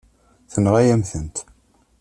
Tenɣa-yam-tent.